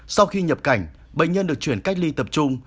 sau khi nhập cảnh bệnh nhân được chuyển cách ly tập trung